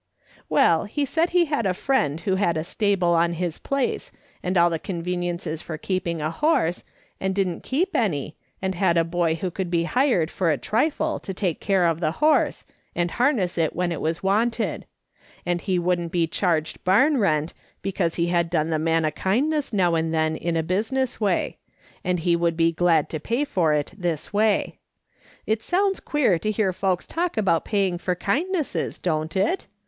" Well, he said he had a friend who had a stable on his place, and all conveniences for keeping a horse, and didn't keep any, and had a boy who could be hired for a trifle to take care of the horse, and harness it when it was wanted ; and he wouldn't be charged barn rent, because he had done the man a kindness now and then in a business way, and he would be glad to pay for it this way. It sounds queer to hear folks talk about paying for kindnesses, don't it